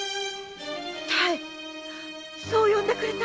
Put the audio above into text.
「多江」そう呼んでくれた。